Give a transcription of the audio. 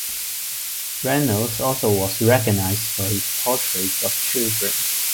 Reynolds also was recognized for his portraits of children.